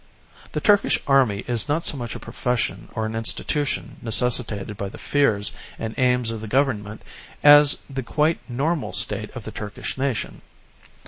The Turkish Army is not so much a profession or an institution necessitated by the fears and aims of the Government as the quite normal state of the Turkish nation....